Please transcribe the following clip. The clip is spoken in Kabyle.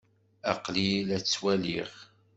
Aql-iyi la t-ttwaliɣ.